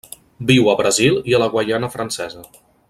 Viu a Brasil i la Guaiana Francesa.